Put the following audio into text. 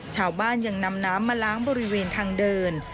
ชาวบ้านยังนำน้ำมาล้างบริเวณทางเดิน